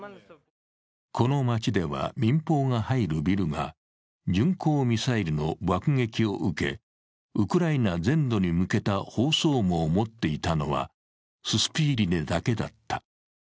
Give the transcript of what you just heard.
この街では、民放が入るビルが巡航ミサイルの爆撃を受け、ウクライナ全土に向けた放送網を持っていたのは、ススピーリネだけだった。